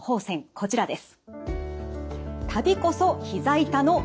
こちらです。